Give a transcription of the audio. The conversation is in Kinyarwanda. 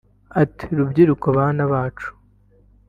Ati « Rubyiruko bana bacu